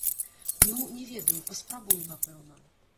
Ну, не ведаю, паспрабую, напэўна.